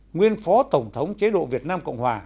nguyên phó tổng thống chế độ việt nam cộng hòa